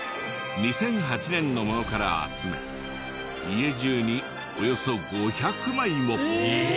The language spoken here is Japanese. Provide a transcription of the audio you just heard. ２００８年のものから集め家中におよそ５００枚も。